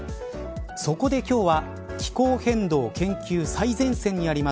そこで今日は気候変動研究最前線にあります